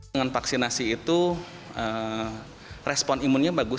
dengan vaksinasi itu respon imunnya bagus gitu ya